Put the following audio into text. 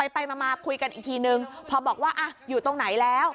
ไปมาคุยกันอีกทีนึงพอบอกว่าอยู่ตรงไหนแล้ว